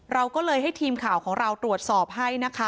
เราก็เลยให้ทีมข่าวของเราตรวจสอบให้นะคะ